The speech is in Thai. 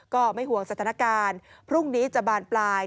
ก็ไม่ห่วงสถานการณ์พรุ่งนี้จะบานปลาย